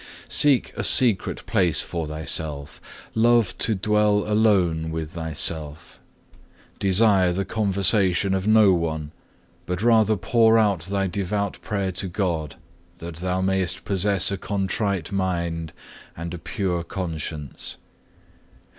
Seek a secret place for thyself, love to dwell alone with thyself, desire the conversation of no one; but rather pour out thy devout prayer to God, that thou mayest possess a contrite mind and a pure conscience.